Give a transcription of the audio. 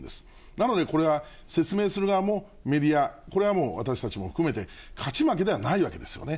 なのでこれは、説明する側も、メディア、これはもう、私たちも含めて勝ち負けではないわけですよね。